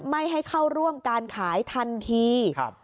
ไม่ให้เข้าร่วมการขายทันที